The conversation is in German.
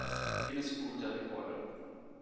Guiness-Buch der Rekorde